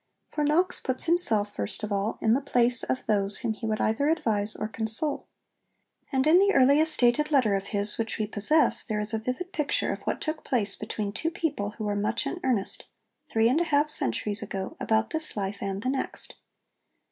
For Knox puts himself, first of all, in the place of those whom he would either advise or console. And in the earliest dated letter of his which we possess there is a vivid picture of what took place between two people who were much in earnest, three and a half centuries ago, about this life and the next.